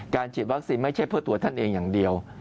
ฉีดวัคซีนไม่ใช่เพื่อตัวท่านเองอย่างเดียว